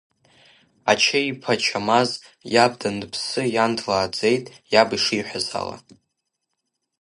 Ачеи-иԥа Чамаз иаб даныԥсы, иан длааӡеит иаб ишиҳәаз ала.